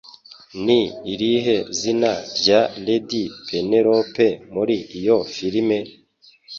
Ni irihe zina rya Lady Penelope Muri iyo filime?